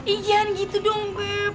ih jangan gitu dong beb